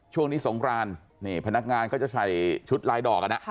ช่วงนี้สงกรานพนักงานก็จะใส่ชุดลายดอก